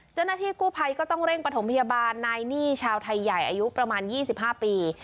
เจ้าหน้าที่กู้ภัยก็ต้องเร่งประถมพยาบาลนายหนี้ชาวไทยใหญ่อายุประมาณ๒๕ปี